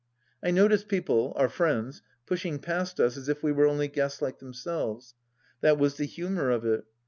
I noticed people, our friends, pushing past us as if we were only guests like themselves. That was the humour of it.